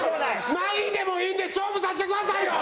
何位でもいいんで勝負させてくださいよ！